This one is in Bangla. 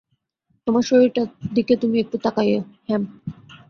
তোমার শরীরটার দিকে তুমি একটু তাকাইয়ো হেম।